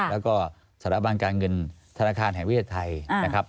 แล้วก็สถาบันการเงินธนาคารแห่งประเทศไทยนะครับ